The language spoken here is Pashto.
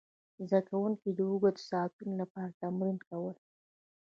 زده کوونکي د اوږدو ساعتونو لپاره تمرین کول.